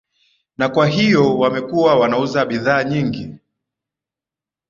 na kwa hiyo wamekuwa wanauza bidhaa nyingi